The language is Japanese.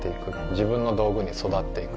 自分の道具に育っていく。